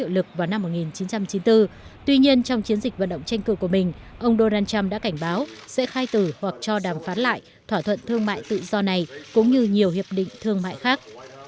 năm một nghìn chín trăm chín mươi bốn tuy nhiên trong chiến dịch vận động tranh cử của mình ông donald trump đã cảnh báo sẽ khai tử hoặc cho đàm phán lại thỏa thuận thương mại tự do này cũng như nhiều hiệp định thương mại khác